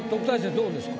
どうですか？